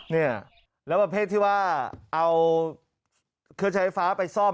เนี่ยแล้วแบบเพศที่ว่าเอาเครือไฟฟ้าไปซ่อม